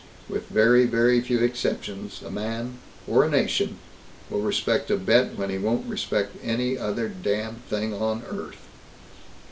With very, very few exceptions, a man or a nation will respect a bet when he won't respect any other damned thing on earth!"